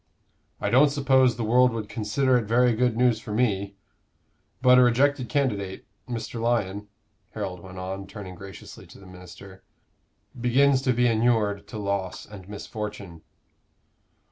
"I don't suppose the world would consider it very good news for me; but a rejected candidate, Mr. Lyon," Harold went on, turning graciously to the minister, "begins to be inured to loss and misfortune."